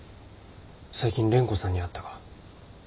最近蓮子さんに会ったか？